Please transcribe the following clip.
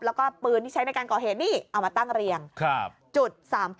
แล้วก็ปืนที่ใช้ในการก่อเหตุนี่เอามาตั้งเรียงจุด๓๘